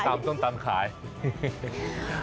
ทำไมต้องอ่านข่าวอะไรที่ทำให้กลืนน้ำลายตลอดเวลา